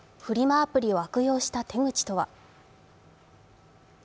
アプリを悪用した手口とは？